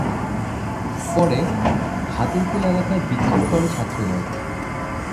পরে হাতিরপুল এলাকায় বিক্ষোভ করে ছাত্রদল।